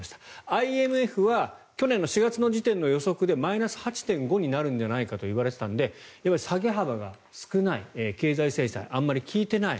ＩＭＦは去年の４月の時点の予測でマイナス８．５になるんじゃないかといわれてたので下げ幅が少ない経済制裁があまり効いてない。